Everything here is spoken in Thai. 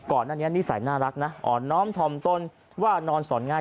ก่อนหน้านี้นิสัยน่ารักนะอ่อนน้อมถ่อมตนว่านอนสอนง่าย